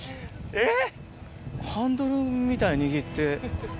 えっ？